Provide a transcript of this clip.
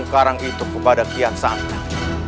sekarang itu kepada kian santan